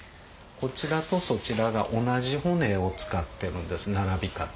こちらとそちらが同じ骨を使ってるんです並び方。